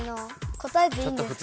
答えていいんですか？